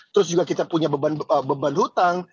terus juga kita punya beban hutang